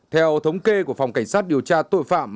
theo thống kê của phòng cảnh sát điều tra tội phạm